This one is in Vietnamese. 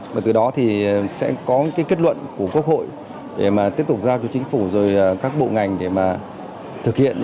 và từ đó thì sẽ có cái kết luận của quốc hội để mà tiếp tục giao cho chính phủ rồi các bộ ngành để mà thực hiện